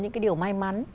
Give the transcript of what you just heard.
những cái điều may mắn